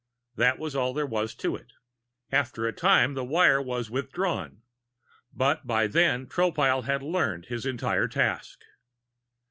That was all there was to it. After a time, the wire was withdrawn, but by then Tropile had "learned" his entire task.